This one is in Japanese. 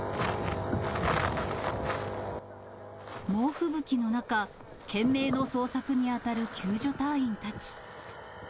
猛吹雪の中、懸命の捜索に当たる救助隊員たち。